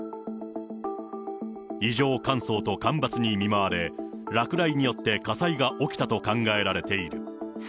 異常乾燥と干ばつに見舞われ、落雷によって火災が起きたと考えられている。